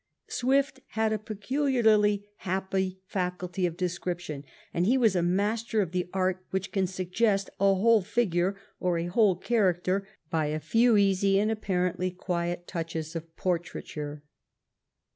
Swift had a peculiarly happy faculty of description, and he was master of the art which can suggest a whole figure or a whole character by a few easy and apparently quiet touches of portraiture.